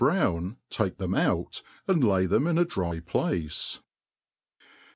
brown tike rhem out and lay them in a dry place.